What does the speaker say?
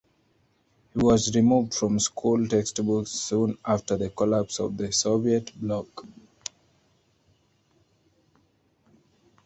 He was removed from school textbooks soon after the collapse of the Soviet Bloc.